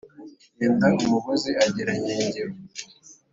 Yenda umugozi ugera nkengero